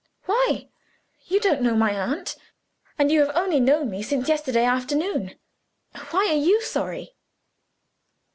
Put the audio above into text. "Why? You don't know my aunt; and you have only known me since yesterday afternoon. Why are you sorry?"